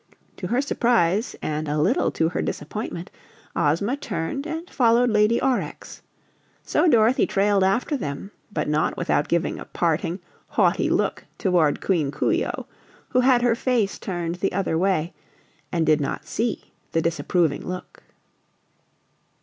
To her surprise and a little to her disappointment Ozma turned and followed Lady Aurex. So Dorothy trailed after them, but not without giving a parting, haughty look toward Queen Coo ee oh, who had her face turned the other way and did not see the disapproving look.